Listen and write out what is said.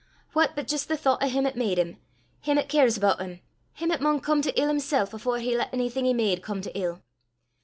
What but jist the thoucht o' him 'at made him, him 'at cares aboot him, him 'at maun come to ill himsel' afore he lat onything he made come to ill.